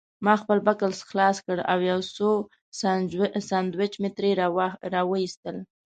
ما خپل بکس خلاص کړ او یو څو سنډوېچ مې ترې راوایستل.